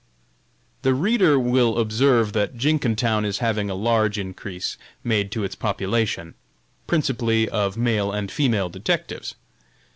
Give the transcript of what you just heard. The reader will observe that Jenkintown is having a large increase made to its population, principally of male and female detectives.